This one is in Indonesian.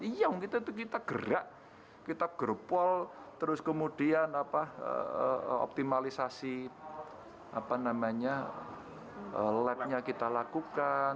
iya kita gerak kita gerpol terus kemudian optimalisasi lab nya kita lakukan